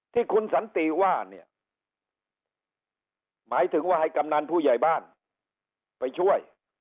ที่คุณสันติว่าเนี่ยหมายถึงว่าให้กำนันผู้ใหญ่บ้านไปช่วย